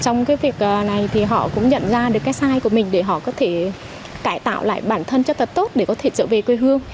trong cái việc này thì họ cũng nhận ra được cái sai của mình để họ có thể cải tạo lại bản thân cho thật tốt để có thể trở về quê hương